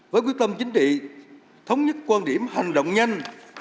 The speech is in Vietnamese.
với quyết tâm chính trị thống nhất quan điểm hành động nhanh